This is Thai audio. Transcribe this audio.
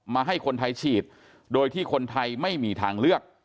ให้คนไทยฉีดโดยที่คนไทยไม่มีทางเลือก